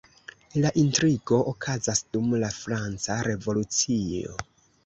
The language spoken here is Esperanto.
La intrigo okazas dum la Franca Revolucio.